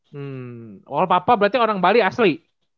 hmm wall papa berarti orang bali asli